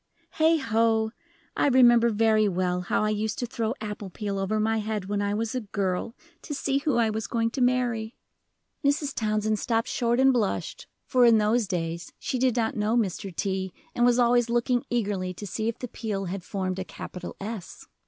Heigho! I remember very well how I used to throw apple peel over my head when I was a girl to see who I was going to marry." Mrs. Townsend stopped short and blushed, for in those days she did not know Mr. T., and was always looking eagerly to see if the peel had formed a capital S.